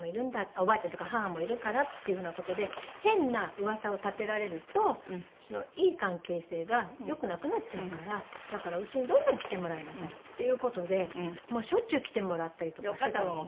おばあちゃんというか母もいるからっていう風な事で変な噂を立てられるといい関係性が良くなくなっちゃうからだからうちにどんどん来てもらいなさいっていう事でもうしょっちゅう来てもらったりとかしてたんです。